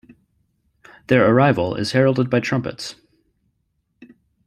Their arrival is heralded by trumpets.